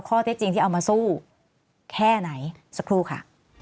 ข้อเท็จจริงที่เอามาสู้แค่ไหนสักครู่ค่ะ